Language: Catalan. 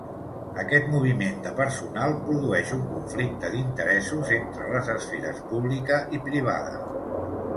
Aquest moviment de personal produeix un conflicte d'interessos entre les esferes pública i privada.